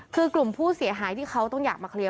คือกลุ่มผู้เสียหายที่เขาต้องอยากมาเคลียร์